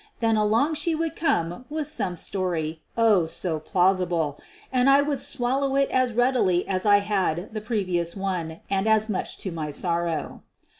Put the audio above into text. Then along she would come with some story, oh, so plausible! — and I would swallow it as readily as I had the previous one and as much to my sorrow.